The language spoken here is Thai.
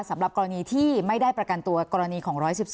สำหรับกรณีที่ไม่ได้ประกันตัวกรณีของ๑๑๒